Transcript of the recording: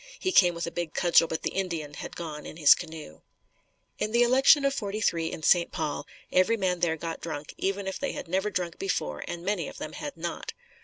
He came with a big cudgel but the Indian had gone in his canoe. In the election of '43 in St. Paul, every man there got drunk even if they had never drunk before and many of them had not.